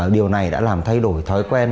điều này đã làm thay đổi thói quen